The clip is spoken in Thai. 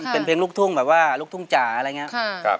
เป็นเพลงลูกทุ่งแบบว่าลูกทุ่งจ๋าอะไรอย่างนี้